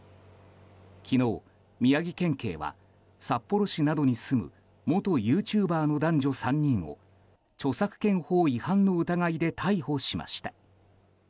昨日、宮城県警は札幌市などに住む元ユーチューバーの男女３人を著作権法違反の疑いで逮捕しました。